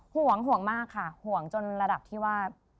ห่วงห่วงมากค่ะห่วงจนระดับที่ว่า